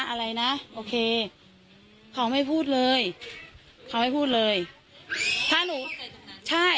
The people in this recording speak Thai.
อะไรนะโอเคเขาไม่พูดเลยเขาไม่พูดเลยถ้าหนูใช่